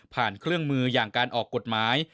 เครื่องมืออย่างการออกกฎหมาย